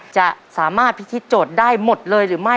จะสามารถพิธีโจทย์ได้หมดเลยหรือไม่